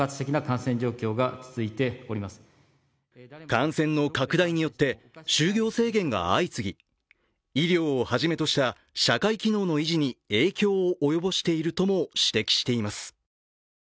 感染の拡大によって就業制限が相次ぎ、医療をはじめとした、社会機能の維持に、影響を及ぼしているとも指摘しています。